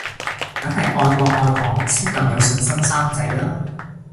梗係愛國愛港先咁有信心生仔啦